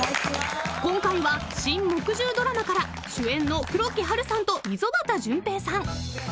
［今回は新木１０ドラマから主演の黒木華さんと溝端淳平さん］